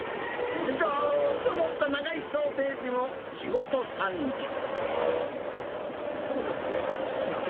どーんと載った長いソーセージも地元産です。